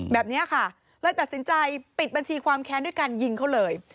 แบบนี้ค่ะเลยตัดสินใจปิดบัญชีความแค้นด้วยการยิงเขาเลย